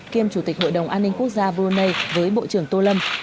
kiêm chủ tịch hội đồng an ninh quốc gia brunei với bộ trưởng tô lâm